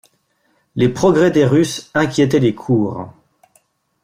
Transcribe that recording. Les progrès des Russes inquiétaient les cours.